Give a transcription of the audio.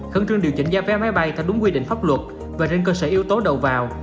khẩn trương điều chỉnh giá vé máy bay theo đúng quy định pháp luật và trên cơ sở yếu tố đầu vào